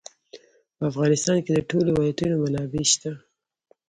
په افغانستان کې د ټولو ولایتونو منابع شته.